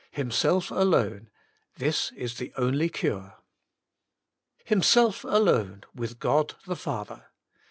Himself alone — this is the only cure. 3. Himself Alone, with God the Father.